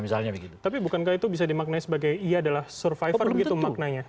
tapi bukankah itu bisa dimaknai sebagai ia adalah survivor begitu maknanya